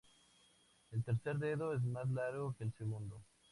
El tercer dedo es más largo que el segundo.